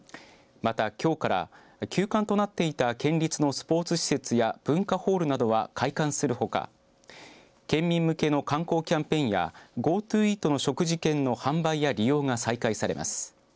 また、きょうから休館となっていた県立のスポーツ施設や文化ホールなどは開館するほか県民向けの観光キャンペーンやＧｏＴｏイートの食事券の販売や利用が再開されます。